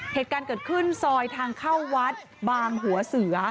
เหตุการณ์เกิดขึ้นซอยทางเข้าวัดบางหัวเสือ